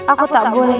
aku tak boleh